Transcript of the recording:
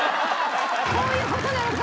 こういう事なのか。